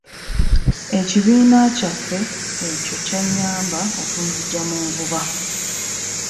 Ekibiina kyaffe ekyo kyannyamba okunzigya mu nvuba.